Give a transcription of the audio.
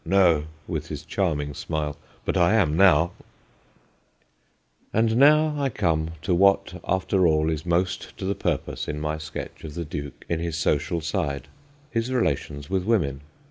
'No,' with his charming smile, ' but I am now/ And now I come to what, after all, is most to the purpose in my sketch of the Duke in his social side his relation with women.